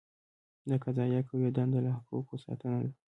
د قضائیه قوې دنده له حقوقو ساتنه ده.